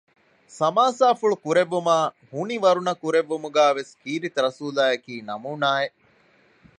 ސަމާސާފުޅު ކުރެއްވުމާއި ހުނިވަރުނަ ކުރެއްވުމުގައި ވެސް ކީރިތިރަސޫލާއަކީ ނަމޫނާއެއް